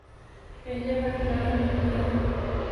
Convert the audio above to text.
پہلے والا ملازم جھوٹا ہے